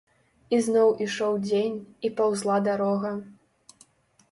І зноў ішоў дзень, і паўзла дарога.